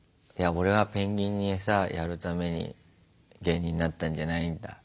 俺はペンギンにエサやるために芸人になったんじゃないんだ。